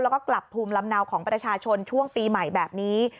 แล้วก็กลับภูมิลำเนาของประชาชนช่วงปีใหม่แบบนี้